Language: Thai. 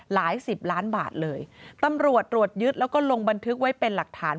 สิบล้านบาทเลยตำรวจตรวจยึดแล้วก็ลงบันทึกไว้เป็นหลักฐาน